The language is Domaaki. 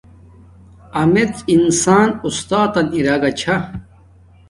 ہمیڎ انسان اُستاتن اراگا چھا